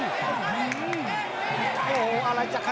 โหโหโหโหโหโห